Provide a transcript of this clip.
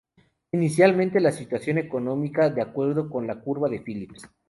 Inicialmente, la situación económica, de acuerdo con la curva de Phillips.